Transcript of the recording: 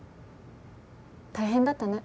大変だったね。